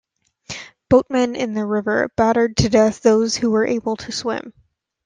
Boatmen in the river battered to death those who were able to swim.